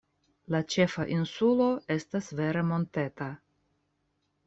La ĉefa insulo estas vere monteta.